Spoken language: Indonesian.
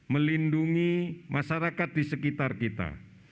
melindungi masyarakat di sekitar kita